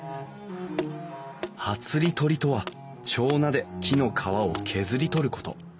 はつり取りとは手斧で木の皮を削り取ること。